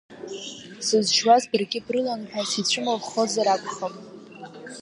Сызшьуаз баргьы брылан ҳәа сицәымыӷхозар акәхап…